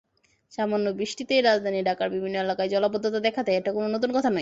সামান্য বৃষ্টিতেই রাজধানী ঢাকার বিভিন্ন এলাকায় জলাবদ্ধতা দেখা দেয়—এটা কোনো নতুন কথা নয়।